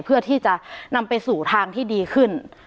เพื่อที่จะนำไปสู่ทางที่ดีขึ้น